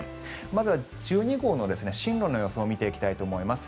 まずは１２号の進路の予想を見ていきたいと思います。